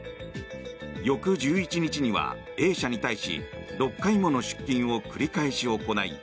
翌１１日にはＡ社に対し６回もの出金を繰り返し行い